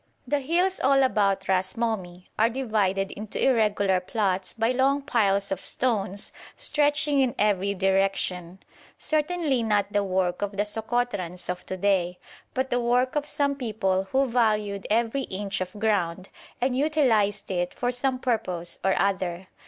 The hills all about Ras Momi are divided into irregular plots by long piles of stones stretching in every direction, certainly not the work of the Sokotrans of to day, but the work of some people who valued every inch of ground, and utilised it for some purpose or other.